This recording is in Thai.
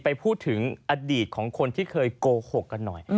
ไปพูดถึงอดีตของคนที่เคยโกหกกันหน่อย